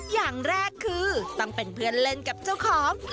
อย่างแรกคือต้องเป็นเพื่อนเล่นกับเจ้าของ